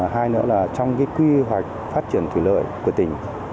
hai nữa là trong cái quy hoạch phát triển thủy lợi của tỉnh